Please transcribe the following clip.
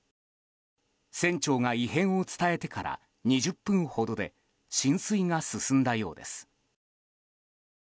船長が異変を伝えてから２０分ほどで浸水が進んだようです。